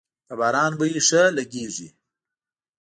د باران بوی ښه لږیږی